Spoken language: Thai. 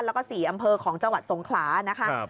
แล้วก็๔อำเภอของจังหวัดสงขลานะคะ